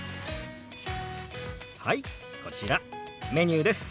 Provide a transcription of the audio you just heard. はいこちらメニューです。